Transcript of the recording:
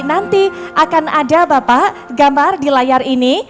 nanti akan ada bapak gambar di layar ini